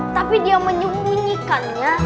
tapi dia menyembunyikannya